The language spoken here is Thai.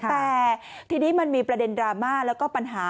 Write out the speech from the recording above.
แต่ทีนี้มันมีประเด็นดราม่าแล้วก็ปัญหา